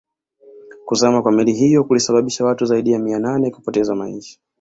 Kuzama kwa meli hiyo kulisababisha watu zaidi ya mia nane kupoteza maisha